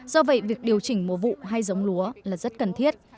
do vậy việc điều chỉnh mùa vụ hay giống lúa là rất cần thiết